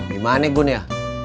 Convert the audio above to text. gimana gun ya